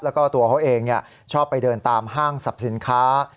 แล้วก็ตัวเขาเองชอบไปเดินตามห้างสรรพสินค้า